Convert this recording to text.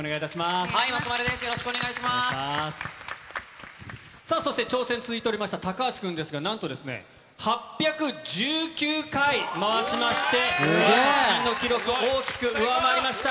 松丸です、よろしくお願いしさあ、そして挑戦続いておりました、高橋君ですが、なんとですね、８１９回回しまして、達人の記録を大きく上回りました。